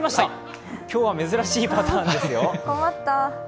今日は珍しいパターンですよ。